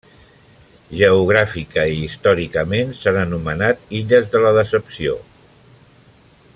Geogràficament i històrica s'han anomenat illes de la Decepció.